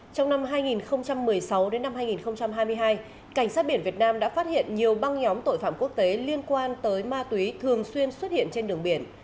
trong năm hai nghìn một mươi sáu đến năm hai nghìn hai mươi hai cảnh sát biển việt nam đã phát hiện nhiều băng nhóm tội phạm quốc tế liên quan tới ma túy thường xuyên xuất hiện trên đường biển